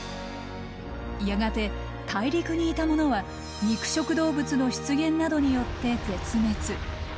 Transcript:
やがて大陸にいたものは肉食動物の出現などによって絶滅。